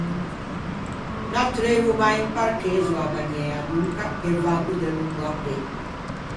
N'attreuvo mai un parchezzo a-a Bagnæa, donca ghe vaggo delongo à pê.